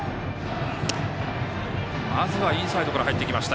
インサイドから入ってきました。